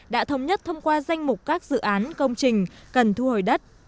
đã thống nhất thông qua danh mục các dự án công trình cần thu hồi đất